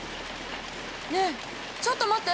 ねえちょっと待って！